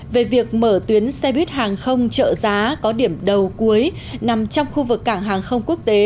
về việc mở tuyến xe buýt hàng không trợ giá có điểm đầu cuối nằm trong khu vực cảng hàng không quốc tế